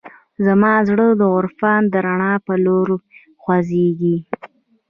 زما زړه د عرفان د رڼا په لور خوځېږي.